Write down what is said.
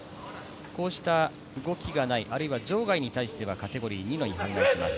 こうした動きがない場外に対してはカテゴリー２の違反がつきます。